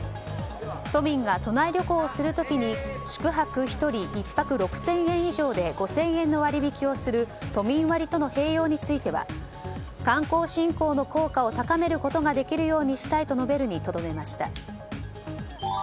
都民が都内旅行をする時に宿泊１人１泊５０００円以上で５０００円の割引をする都民割との併用については観光振興の効果を高めることができるようにしたいと述べるにとどめました。